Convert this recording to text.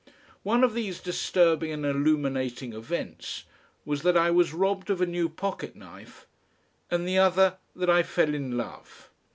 One of these disturbing and illuminating events was that I was robbed of a new pocket knife and the other that I fell in love.